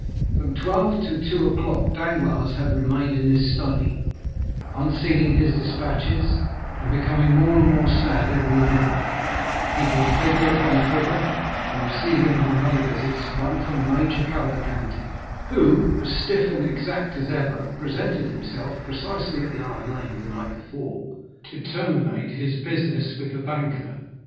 From twelve to two o'clock Danglars had remained in his study, unsealing his dispatches, and becoming more and more sad every minute, heaping figure upon figure, and receiving, among other visits, one from Major Cavalcanti, who, as stiff and exact as ever, presented himself precisely at the hour named the night before, to terminate his business with the banker.